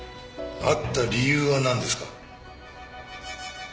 会った理由はなんですか？